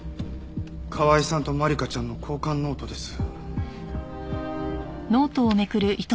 川井さんと万理華ちゃんの交換ノートです。